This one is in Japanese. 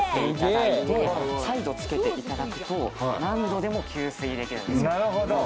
再度つけていただくと何度でも吸水できるんです。